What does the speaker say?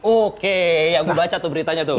oke ya gua baca tuh beritanya tuh